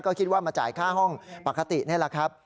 ก็คิดว่ามาจ่ายค่าห้องปกตินี่แหละครับ